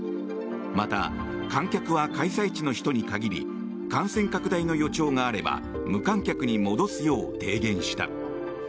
また、観客は開催地の人に限り感染拡大の予兆があれば無観客に戻すよう提言した。